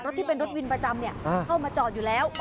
ที่เป็นรถวินประจำเข้ามาจอดอยู่แล้ว